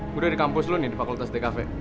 gua udah di kampus lo nih di fakultas dkv